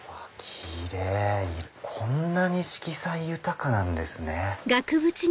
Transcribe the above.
こんなに色彩豊かなんですね。